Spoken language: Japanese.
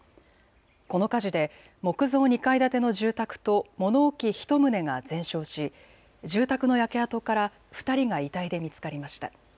この火事で木造２階建ての住宅と物置１棟が全焼し住宅の焼け跡から２人が遺体で見つかりました。